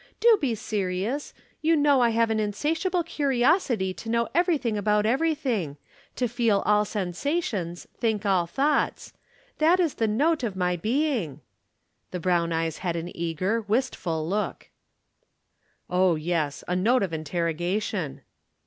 "Do be serious. You know I have an insatiable curiosity to know everything about everything to feel all sensations, think all thoughts. That is the note of my being." The brown eyes had an eager, wistful look. "Oh, yes a note of interrogation."